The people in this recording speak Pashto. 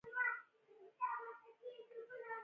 په نړۍ کې پښتانه زنده باد.